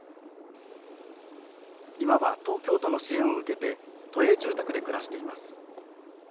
今は東京都の支援を受けて都営住宅で暮らしています。